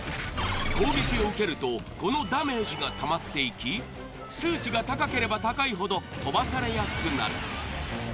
攻撃を受けるとこのダメージが溜まっていき数値が高ければ高いほど飛ばされやすくなる。